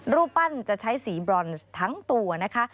รูปปั้นจะใช้สีบรอนทั้งตัวนะคะ